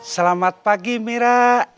selamat pagi mira